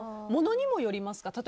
ものにもよりますか？